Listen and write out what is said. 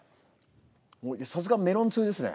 さすがメロン通ですね。